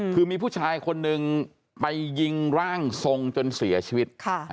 คือมีผู้ชายคนนึงไปยิงร่างทรงจนเสียชีวิต